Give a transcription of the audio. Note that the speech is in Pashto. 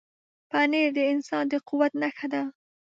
پنېر د انسان د قوت نښه ده.